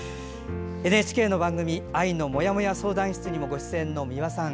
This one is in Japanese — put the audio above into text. ＮＨＫの番組「愛のモヤモヤ相談室」にもご出演の美輪さん。